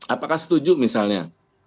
apakah setuju misalnya